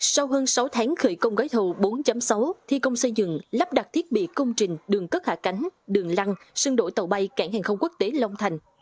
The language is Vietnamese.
sau hơn sáu tháng khởi công gói thầu bốn sáu thi công xây dựng lắp đặt thiết bị công trình đường cất hạ cánh đường lăng sân đổi tàu bay cảng hàng không quốc tế long thành